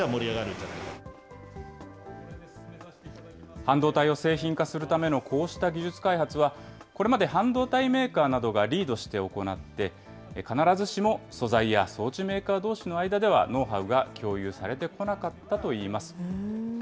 半導体を製品化するためのこうした技術開発は、これまで半導体メーカーなどがリードして行って、必ずしも素材や装置メーカーどうしの間では、ノウハウが共有されてこなかったといいます。